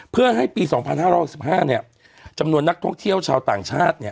เพื่อให้ปี๒๕๖๕จำนวนนักท่องเที่ยวชาวต่างชาติ